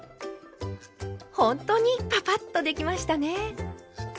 ほんとにパパッとできましたね。